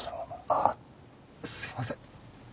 あっすいません。